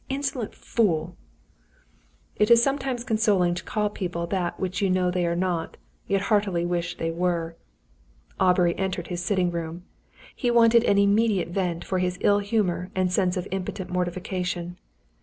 Insolent fool!" It is sometimes consoling to call people that which you know they are not, yet heartily wish they were. Aubrey entered his sitting room. He wanted an immediate vent for his ill humour and sense of impotent mortification.